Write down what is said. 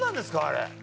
あれ。